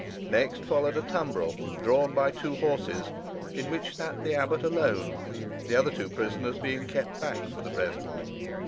Next followed a tumbrel, drawn by two horses, in which sat the abbot alone, the two other prisoners being kept back for the present.